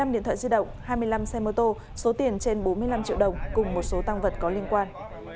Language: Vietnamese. một mươi điện thoại di động hai mươi năm xe mô tô số tiền trên bốn mươi năm triệu đồng cùng một số tăng vật có liên quan